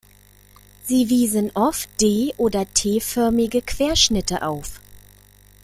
Sie wiesen oft D- oder T-förmige Querschnitte auf.